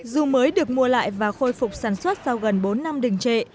dù mới được mua lại và khôi phục sản xuất sau gần bốn năm đình trệ